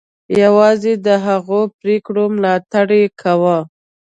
یوازې د هغو پرېکړو ملاتړ یې کاوه.